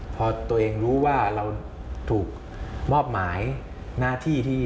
พอตัวเองรู้ว่าเราถูกมอบหมายหน้าที่ที่